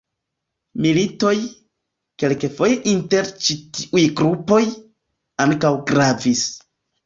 Militoj, kelkfoje inter ĉi tiuj grupoj, ankaŭ gravis.